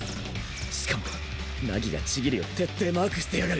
しかも凪が千切を徹底マークしてやがる